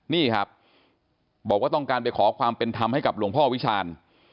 นี่ครับบอกว่าต้องการไปขอความเป็นธรรมให้กับหลวงพ่อวิชาญ